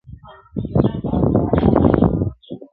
په سودا وو د کسات د اخیستلو-